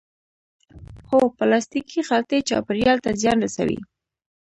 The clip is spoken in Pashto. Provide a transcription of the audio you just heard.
هو، پلاستیکی خلطی چاپیریال ته زیان رسوی